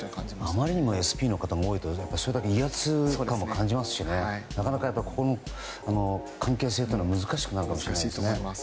あまりにもＳＰの方が多いとそれだけ威圧感も感じますしなかなか関係性は難しくなるかもしれないですね。